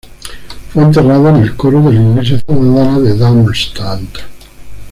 Fue enterrada en el coro de la iglesia ciudadana de Darmstadt.